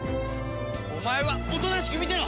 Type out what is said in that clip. お前はおとなしく見てろ！